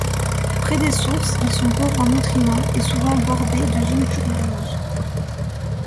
Près des sources, ils sont pauvres en nutriments et souvent bordés de zones tourbeuses.